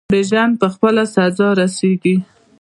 بیژن په خپله سزا رسیږي.